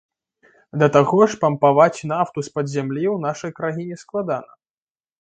Да таго ж пампаваць нафту з-пад зямлі ў нашай краіне складана.